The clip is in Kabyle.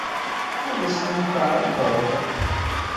Ad as-tent-tɛeṛḍeḍ?